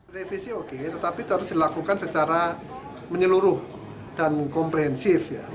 revisi oke tetapi harus dilakukan secara menyeluruh dan komprehensif ya